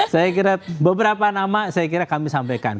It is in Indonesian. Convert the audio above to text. saya kira beberapa nama saya kira kami sampaikan